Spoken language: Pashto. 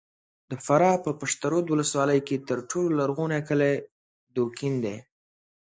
د فراه په پشترود ولسوالۍ کې تر ټولو لرغونی کلی دوکین دی!